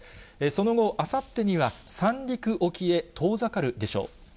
その後、あさってには三陸沖へ遠ざかるでしょう。